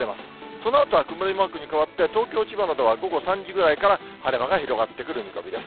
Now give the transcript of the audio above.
そのあとは曇りマークに変わって、東京、千葉などは午後３時ぐらいから晴れ間が広がってくる見込みです。